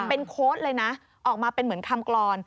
เป็นโค้ดเลยนะออกมาเป็นเหมือนคำกรอน